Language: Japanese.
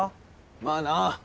まあな！